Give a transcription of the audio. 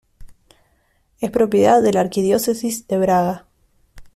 Es propiedad de la Arquidiócesis de Braga.